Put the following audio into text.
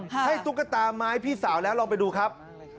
ให้ตุ๊กตาไม้พี่สาวแล้วลองไปดูครับ